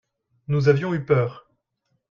Nous avions eu peur.